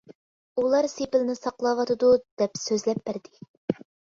ئۇلار سېپىلنى ساقلاۋاتىدۇ، دەپ سۆزلەپ بەردى.